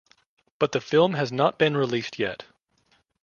But the film has not been released yet.